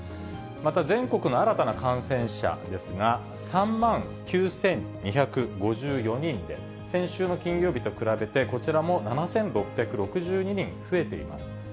また全国の新たな感染者ですが、３万９２５４人で、先週の金曜日と比べて、こちらも７６６２人増えています。